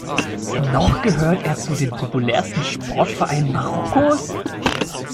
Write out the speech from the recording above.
Noch gehört er zu den populärsten Sportvereinen Marokkos.